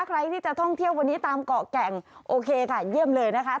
ใครที่จะท่องเที่ยววันนี้ตามเกาะแก่งโอเคค่ะเยี่ยมเลยนะคะ